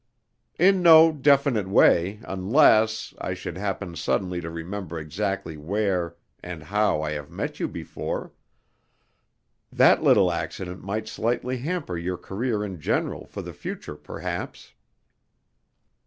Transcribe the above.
"In no definite way, unless I should happen suddenly to remember exactly where and how I have met you before. That little accident might slightly hamper your career in general for the future perhaps."